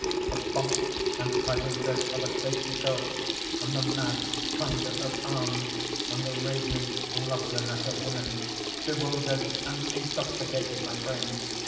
The pomps and pageantries of a stately court, and the mad clangor of arms, and the radiant loveliness of women, bewildered and intoxicated my brain.